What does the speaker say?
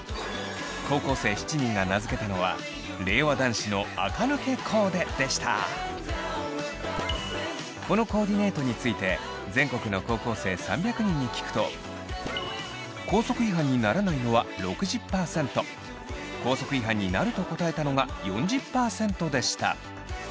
高校生７人が名付けたのはこのコーディネートについて全国の高校生３００人に聞くと校則違反にならないのは６０％校則違反になると答えたのが４０％でした。